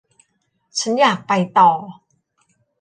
ฉันอยากไปต่อ